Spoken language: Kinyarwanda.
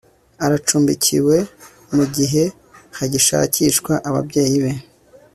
aracumbikiwe mu gihe hagishakishwa ababyeyi be